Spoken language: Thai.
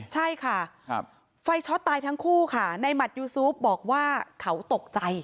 ใช่ค่ะไฟช็อตตายทั้งคู่ค่ะในหมัดยูซูฟบอกว่าเขาตกใจ